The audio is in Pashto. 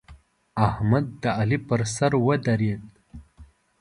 احمد د علي پر سر ودرېد.